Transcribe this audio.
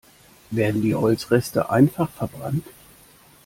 Werden die Holzreste einfach verbrannt?